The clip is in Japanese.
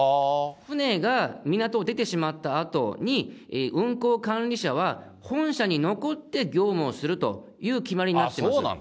船が港を出てしまったあとに、運航管理者は、本社に残って業務をするという決まりになっています。